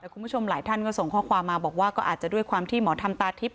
คุณผู้ชมหลายท่านก็ส่งข้อความมาบอกว่าก็อาจจะด้วยความที่หมอธรรมตาทิพย